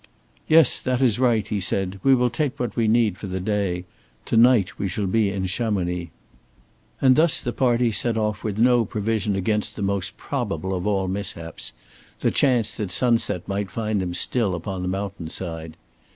"Yes, that is right," he said. "We will take what we need for the day. To night we shall be in Chamonix." And thus the party set off with no provision against that most probable of all mishaps the chance that sunset might find them still upon the mountain side.